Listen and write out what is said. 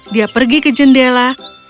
dia pergi ke jendela